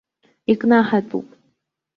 Икнаҳатәуп!